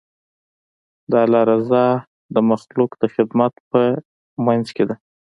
د الله رضا د مخلوق د خدمت په منځ کې ده.